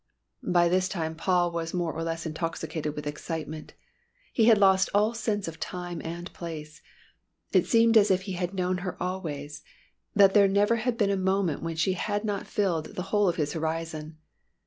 By this time Paul was more or less intoxicated with excitement, he had lost all sense of time and place. It seemed as if he had known her always that there never had been a moment when she had not filled the whole of his horizon.